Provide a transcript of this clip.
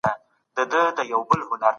پخوانيو فيلسوفانو په څه سي تکيه کوله؟